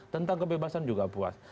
tentang kebebasan juga puas